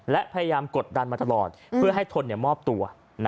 และพยายามกดดันมาตลอดเพื่อให้ทนมอบตัว